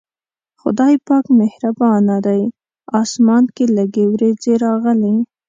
خدای پاک مهربانه دی، اسمان کې لږې وريځې راغلې.